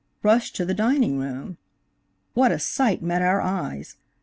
rushed to the dining room. What a sight met our eyes!